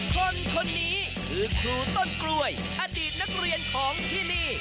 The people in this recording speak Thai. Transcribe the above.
คนคนนี้คือครูต้นกล้วยอดีตนักเรียนของที่นี่